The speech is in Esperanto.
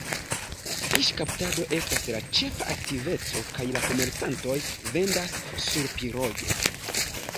Fiŝkaptado estas la ĉefa aktiveco kaj la komercantoj vendas surpiroge.